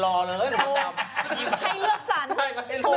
ให้เลือกสรร